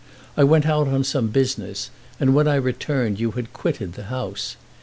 I went out on some business and when I returned you had quitted the house.